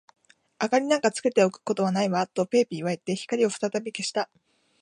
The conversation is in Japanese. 「明りなんかつけておくことはないわ」と、ペーピーはいって、光をふたたび消した。